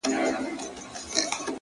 • په میدان کي یې وو مړی غځېدلی ,